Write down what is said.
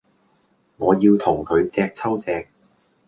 我要同佢隻揪隻